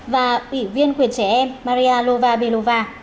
và ủy viên quyền trẻ em maria lovabelova